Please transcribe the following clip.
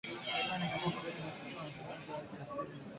Iran yaamua kusitisha mazungumzo yake ya siri na Saudi Arabia